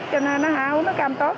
cho nên uống nước cam tốt